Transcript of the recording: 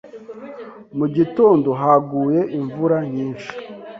Mu gitondo, haguye imvura nyinshi.